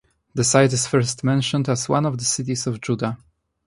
The site is first mentioned as one of the cities of Judah.